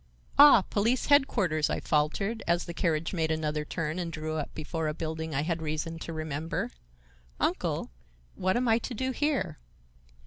"Ah, Police Headquarters!" I faltered as the carriage made another turn and drew up before a building I had reason to remember. "Uncle, what am I to do here?"